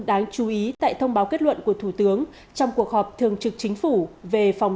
đáng chú ý tại thông báo kết luận của thủ tướng trong cuộc họp thường trực chính phủ về phòng